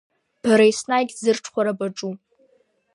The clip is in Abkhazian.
Бара еснагь зырҽхәара баҿу.